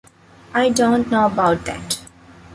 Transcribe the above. I don’t know about that!